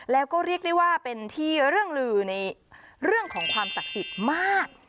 แล้วก็เรียกได้ว่าเป็นที่เรื่องลือในเรื่องของความศักดิ์สิทธิ์มาก